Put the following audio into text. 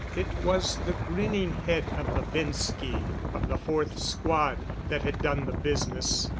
It was the grinning head of Levinski of the fourth squad that had done the business.